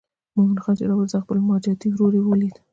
مومن خان چې راورسېد خپل ماجتي ورور یې ولید.